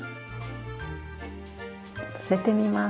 載せてみます。